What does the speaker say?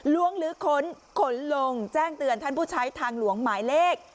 ลื้อขนขนลงแจ้งเตือนท่านผู้ใช้ทางหลวงหมายเลข